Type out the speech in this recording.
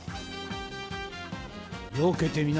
よけてみな。